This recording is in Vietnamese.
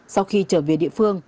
sau khi trở về địa phương